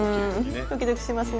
うんドキドキしますね。